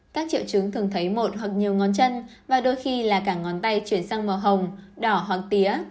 các triệu chứng thường thấy một hoặc nhiều ngón chân và đôi khi là cả ngón tay chuyển sang màu hồng đỏ hoặc tía